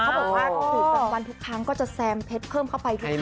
เขาบอกว่าก็ถือปังวันทุกครั้งก็จะแซมเพชรเข้าไปทุกครั้ง